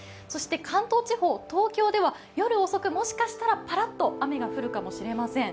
関東地方、東京では夜遅く、もしかしたらぱらっと雨が降るかもしれません。